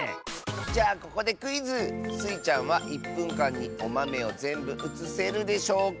じゃあここでクイズ！スイちゃんは１ぷんかんにおまめをぜんぶうつせるでしょうか？